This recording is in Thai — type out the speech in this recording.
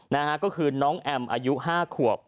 นะฮะก็คือน้องแอมอายุ๕ขวบ